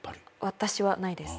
私はないです。